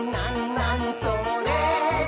なにそれ？」